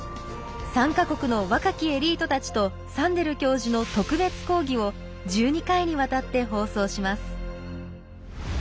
３か国の若きエリートたちとサンデル教授の特別講義を１２回にわたって放送します。